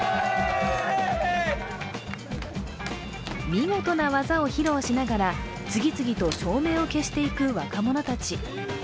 見事な技を披露しながら次々と照明を消していく若者たち。